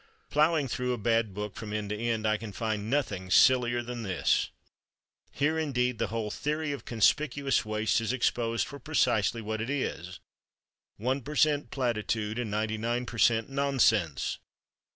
Plowing through a bad book from end to end, I can find nothing sillier than this. Here, indeed, the whole "theory of conspicuous waste" is exposed for precisely what it is: one per cent. platitude and ninety nine per cent. nonsense.